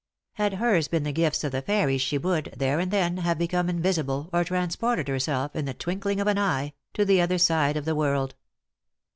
Had hers been the gifts of the fairies she would, there and then, have become invisible, or transported herself, in the twinkling 01 an eye, to the other side of the world.